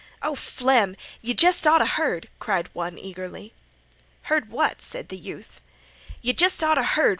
"O Flem, yeh jest oughta heard!" cried one, eagerly. "Heard what?" said the youth. "Yeh jest oughta heard!"